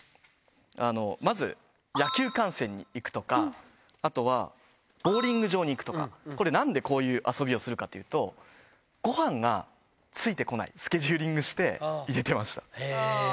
まず、野球観戦に行くとか、あとはボウリング場に行くとか、これ、なんでこういう遊びをするかというと、ごはんがついてこないスケジューリングして入れてました。